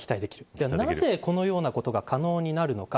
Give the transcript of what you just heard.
では、なぜ、このようなことが可能になるのか。